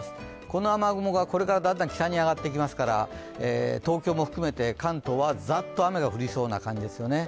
この雨雲がだんだん北に上がってきますから東京も含めて関東はザッと雨が降りそうな感じですよね。